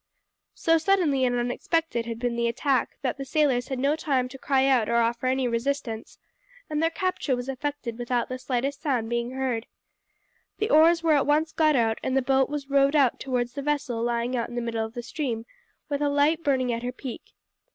So suddenly and unexpected had been the attack that the sailors had had no time to cry out or to offer any resistance, and their capture was effected without the slightest sound being heard. The oars were at once got out and the boat was rowed out towards the vessel lying out in the middle of the stream with a light burning at her peak.